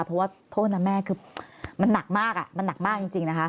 เพราะว่าโทษนะแม่คือมันหนักมากมันหนักมากจริงนะคะ